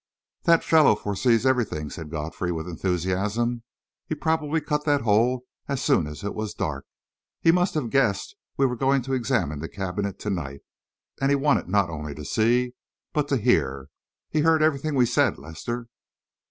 "That fellow foresees everything," said Godfrey, with enthusiasm. "He probably cut that hole as soon as it was dark. He must have guessed we were going to examine the cabinet to night and he wanted not only to see, but to hear. He heard everything we said, Lester!"